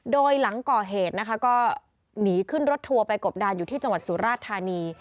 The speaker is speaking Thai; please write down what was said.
โดยหลังก่อเหตุนะคะก็หนีขึ้นรถทัวร์ไปกบดานอยู่ที่จังหวัดสุราชธานี